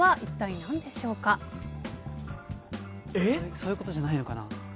そういうことじゃないのかな？